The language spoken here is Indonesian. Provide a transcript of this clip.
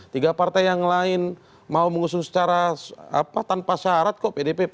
tiga partai yang lain mau mengusung secara tanpa syarat kok pdp